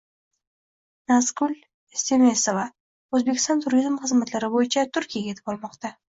Nazgul Estemesova: “Oʻzbekiston turizm xizmatlari boʻyicha Turkiyaga yetib olmoqda”